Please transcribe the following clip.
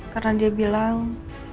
karena dia bilang